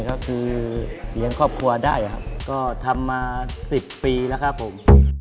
ก็คือเลี้ยงครอบครัวได้ครับก็ทำมา๑๐ปีแล้วครับผม